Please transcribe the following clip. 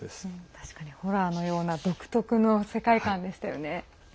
確かにホラーのような独特の世界観でしたよね。